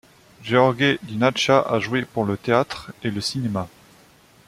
Gheorghe Dinică a joué pour le théâtre et le cinéma.